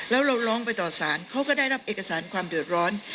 แล้วเราร้องไปต่อสารเขาก็ได้รับเอกสารความเดือดร้อน